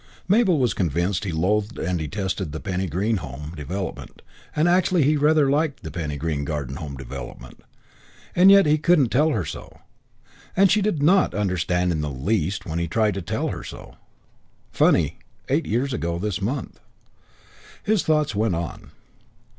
Mabel was convinced he loathed and detested the Penny Green Garden Home Development; and actually he rather liked the Penny Green Garden Home Development; and yet he couldn't tell her so; and she did not understand in the least when he tried to tell her so. Funny eight years ago this month.... His thoughts went on.